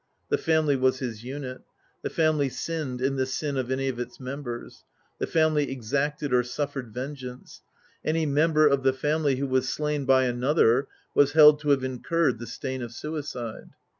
The family was his unit; the family sinned in the sin of any of its members ; the family exacted or suffered vengeance ; any member of the family who was slain by another was held to have incurred the stain of suicide.